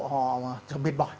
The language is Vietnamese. họ mệt mỏi